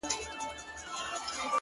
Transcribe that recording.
پر جبين باندې لښکري پيدا کيږي!!